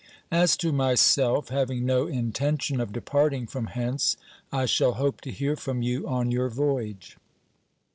As to myself, having no intention of departing from hence, I shall hope to hear from you on your voyage.